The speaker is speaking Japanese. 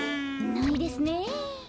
ないですねえ。